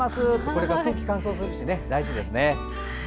これから空気が乾燥するし大事ですね。